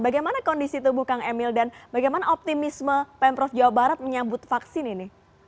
bagaimana kondisi tubuh kang emil dan bagaimana optimisme pemprov jawa barat menyambut vaksin ini